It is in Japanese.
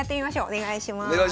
お願いします！